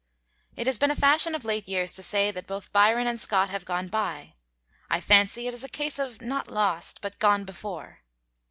It has been a fashion of late years to say that both Byron and Scott have gone by; I fancy it is a case of "not lost, but gone before."